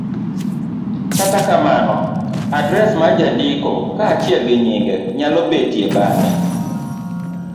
Kata kamano, adres mar jandiko kaachiel gi nyinge nyalo betie bang'e,